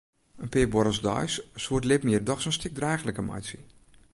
In pear buorrels deis soe it libben hjir dochs in stik draachliker meitsje.